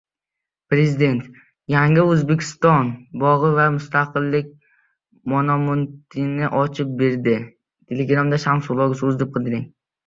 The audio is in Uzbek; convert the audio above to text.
Prezident "Yangi O‘zbekiston" bog‘i va Mustaqillik monumentini ochib berdi